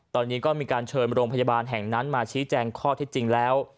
ตอนนี้ก็มีการเชิญโรงพยาบาลแห่งนั้นมาชี้แจงข้อที่จริงแล้ว